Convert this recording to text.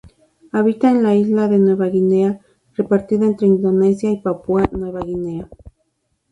Habita en la isla de Nueva Guinea, repartida entre Indonesia y Papúa Nueva Guinea.